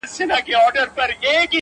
میاشت لا نه وه تېره سوې چي قیامت سو،